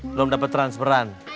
belum dapet transmeran